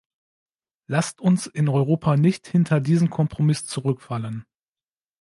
Lasst uns in Europa nicht hinter diesen Kompromiss zurückfallen.